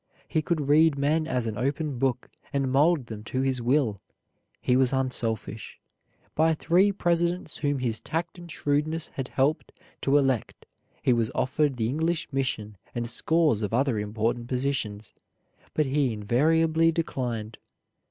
He could read men as an open book, and mold them to his will. He was unselfish. By three presidents whom his tact and shrewdness had helped to elect he was offered the English mission and scores of other important positions, but he invariably declined.